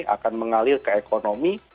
akan mengalir ke ekonomi